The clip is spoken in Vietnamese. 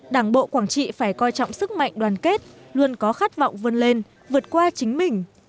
đảng bộ quảng trị phải coi trọng sức mạnh đoàn kết luôn có khát vọng vươn lên vượt qua chính mình